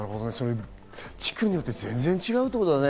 地区によって全然違うってことだね。